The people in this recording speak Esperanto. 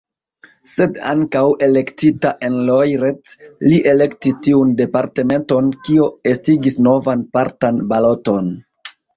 Sed ankaŭ elektita en Loiret, li elektis tiun departementon, kio estigis novan partan baloton.